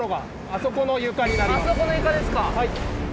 あそこの床ですか。